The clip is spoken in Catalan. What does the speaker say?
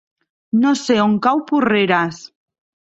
No sé on cau Porreres.